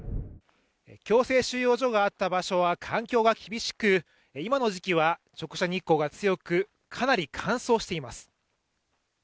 強制収容所があった場所は環境が厳しく、今の時期は直射日光が強くかなり乾燥しています。